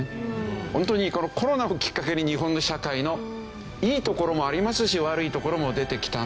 ホントにこのコロナをきっかけに日本の社会のいいところもありますし悪いところも出てきたんだ。